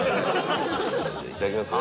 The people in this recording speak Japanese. いただきますね。